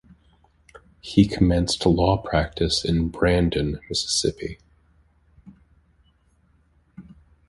He commenced law practice in Brandon, Mississippi.